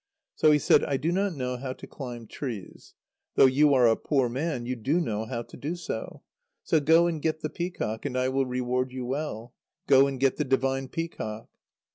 So he said: "I do not know how to climb trees. Though you are a poor man you do know how to do so. So go and get the peacock, and I will reward you well. Go and get the divine peacock!"